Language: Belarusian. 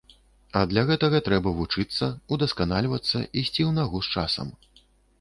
А для гэтага трэба вучыцца, удасканальвацца, ісці ў нагу з часам.